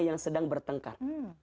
yang sedang bertengkar